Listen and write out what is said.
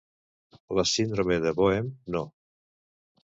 La síndrome de Boehm, no.